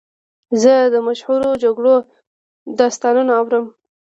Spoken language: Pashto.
زه د مشهورو جګړو داستانونه اورم.